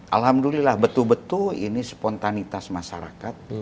alhamdulillah betul betul ini spontanitas masyarakat